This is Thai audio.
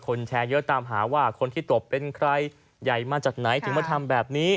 แชร์เยอะตามหาว่าคนที่ตบเป็นใครใหญ่มาจากไหนถึงมาทำแบบนี้